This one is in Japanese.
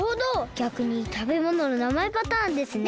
ぎゃくにたべものの名前パターンですね。